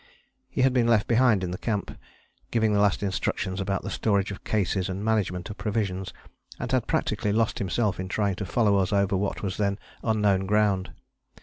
He had been left behind in the camp, giving last instructions about the storage of cases and management of provisions, and had practically lost himself in trying to follow us over what was then unknown ground.